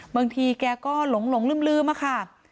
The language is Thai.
บางทีแกก็หลงลืมค่ะ